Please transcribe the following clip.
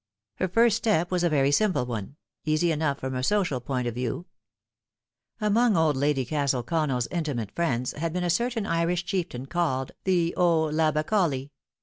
Her first step was a very simple one, easy enough from a social point of view. Among old Lady Castle Connell's inti mate friends had been a certain Irish chieftain called The O'Labacolly.